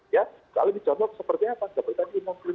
kalau dicontoh seperti apa seperti tadi